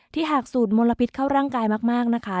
หากสูดมลพิษเข้าร่างกายมากนะคะ